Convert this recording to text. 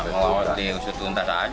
ya ngelawan di usut untas aja